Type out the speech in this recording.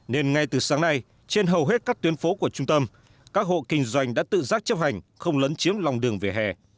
nên ngay từ sáng nay trên hầu hết các tuyến phố của trung tâm các hộ kinh doanh đã tự giác chấp hành không lấn chiếm lòng đường về hè